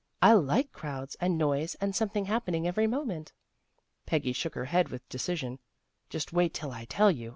I like crowds and noise and some thing happening every moment." Peggy shook her head with decision. " Just wait till I tell you.